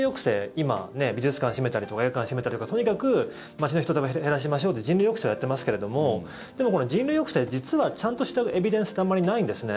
今、美術館閉めたりとか映画館閉めたりとか、とにかく街の人出を減らしましょうって人流抑制をやっていますけれどもでも、この人流抑制実はちゃんとしたエビデンスってあんまりないんですね。